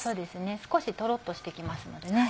少しトロっとして来ますのでね。